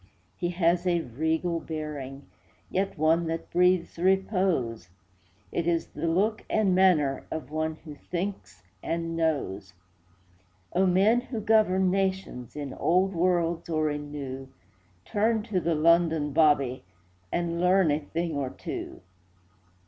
He has a regal bearing, Yet one that breathes repose; It is the look and manner Of one who thinks and knows. Oh, men who govern nations, In old worlds or in new, Turn to the London 'Bobby' And learn a thing or two.